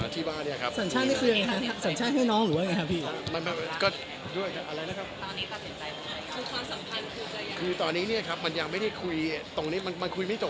แต่ก็กลิ่นแบบว่างานก็รู้มันอยู่แล้ว